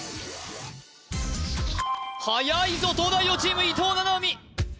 はやいぞ東大王チーム伊藤七海